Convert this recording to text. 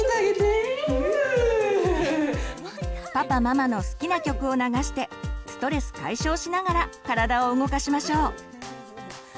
パパママの好きな曲を流してストレス解消しながら体を動かしましょう！